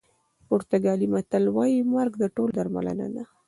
پرتګالي متل وایي مرګ د ټولو درملنه ده.